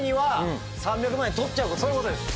そういうことです。